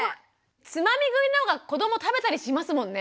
つまみ食いのほうが子ども食べたりしますもんね！